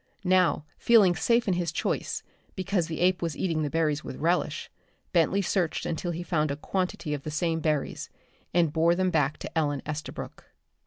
Now, feeling safe in his choice, because the ape was eating the berries with relish, Bentley searched until he found a quantity of the same berries, and bore them back to Ellen Estabrook.